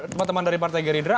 teman teman dari partai gerindra